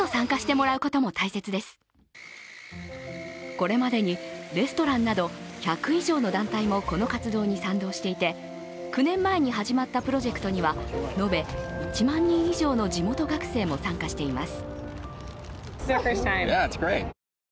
これまでにレストランなど１００以上の団体もこの活動に賛同していて、９年前に始まったプロジェクトには延べ１万人以上の地元学生も参加しています。